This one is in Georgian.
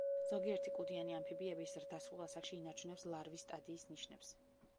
ზოგიერთი კუდიანი ამფიბიები ზრდასრულ ასაკში ინარჩუნებს ლარვის სტადიის ნიშნებს.